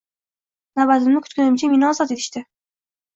Navbatimni kutgunimcha meni ozod etishdi